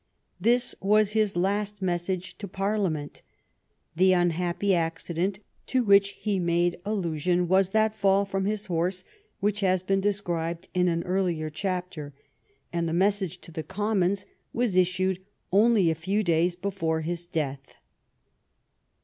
This was his last message to Parliament. The unhappy accident to which he made allusion was that fall from his horse which has been described in an earlier chapter, and the message to the Commons was issued only a few days before his death.